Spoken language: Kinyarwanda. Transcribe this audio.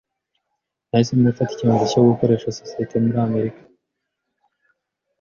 Nahisemo gufata icyemezo cyo gukorera sosiyete muri Amerika.